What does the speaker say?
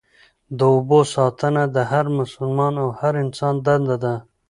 د اوبو ساتنه د هر مسلمان او هر انسان دنده ده.